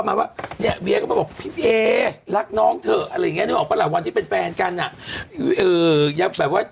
อย่างงี้เนี่ยหรอเพราะหละวันที่เป็นแฟนกันน่ะ